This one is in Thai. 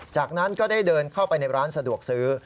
จากนั้นก็ได้เดินเข้าไปในร้านสะดวกซื้อ